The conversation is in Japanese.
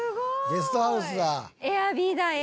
ゲストハウスだ。